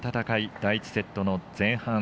第１セットの前半。